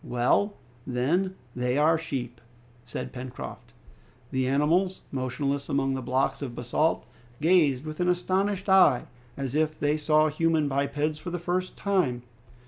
"Well, then, they are sheep!" said Pencroft. The animals, motionless among the blocks of basalt, gazed with an astonished eye, as if they saw human bipeds for the first time.